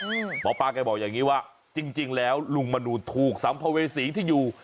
อืมหมอป้าก็บอกอย่างงี้ว่าจริงจริงแล้วลุงมนุษย์ถูกสำพเวสีที่อยู่